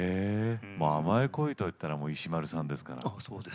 甘い声と言ったら石丸さんですよ。